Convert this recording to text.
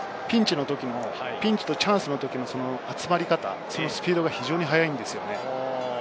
ピンチとチャンスのときの集まり方、スピードが非常に速いんですよね。